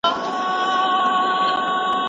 ماتې،